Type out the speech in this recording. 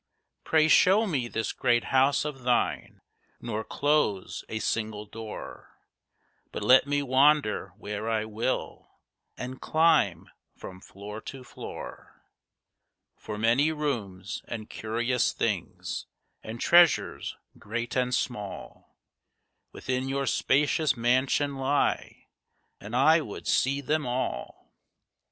"Pray show me this great house of thine, nor close a single door; But let me wander where I will, and climb from floor to floor! For many rooms, and curious things, and treasures great and small Within your spacious mansion lie, and I would see them all."